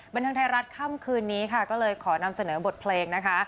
บันเทิงไทยรัฐค่ำคืนนี้ค่ะก็เลยขอนำเสนอบทเพลงนะคะ